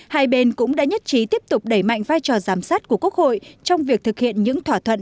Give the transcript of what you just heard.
hai bên cũng đã nhất trí tiếp tục đẩy mạnh vai trò giám sát của quốc hội trong việc thực hiện những thỏa thuận